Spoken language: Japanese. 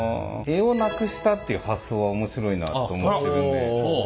柄をなくしたっていう発想は面白いなと思ってるんで。